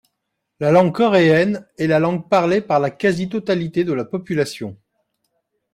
La langue coréenne, est la langue parlée par la quasi-totalité de la population.